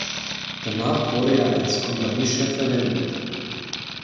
Danach wurde er als Kompaniechef verwendet.